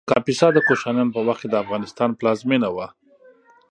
کاپیسا د کوشانیانو په وخت کې د افغانستان پلازمېنه وه